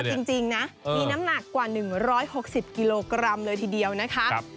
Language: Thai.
นี่คือตัวจริงนะมีน้ำหนักกว่า๑๖๐กิโลกรัมเลยทีเดียวนะครับ